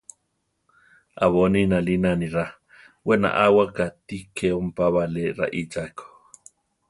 Abóni nalína anirá; we naʼáwaka ti ke ompába ale raíchako.